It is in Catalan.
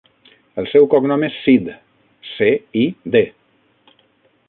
El seu cognom és Cid: ce, i, de.